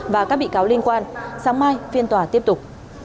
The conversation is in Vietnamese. và các bị cáo liên quan sáng mai phiên tòa tiếp tục